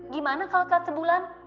gimana kalau kelihatan sebulan